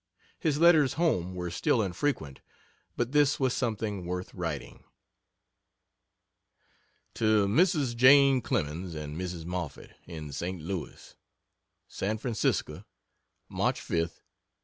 His letters home were still infrequent, but this was something worth writing. To Mrs. Jane Clemens and Mrs. Moffett, in St. Louis: SAN FRANCISCO, March 5th, 1866.